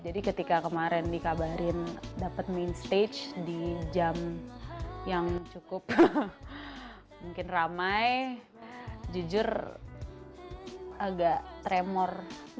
jadi ketika kemarin dikabarin dapet main stage di jam yang cukup mungkin ramai jujur agak tremor